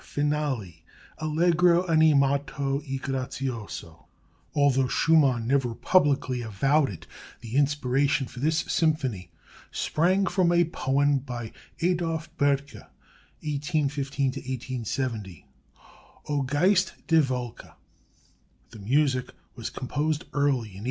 Finale: Allegro animato e grazioso Although Schumann never publicly avowed it, the inspiration for this symphony sprang from a poem by Adolph Böttger (1815 1870), O Geist der Wolke. The music was composed early in 1841.